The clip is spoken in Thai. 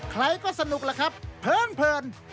ใครก็สนุกล่ะครับเพลิน